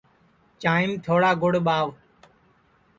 چانٚھیم تھوڑا گُڑ ٻاہوَ